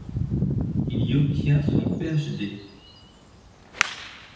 Il y obtient son Ph.D.